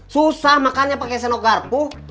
susah makannya pake senok garpu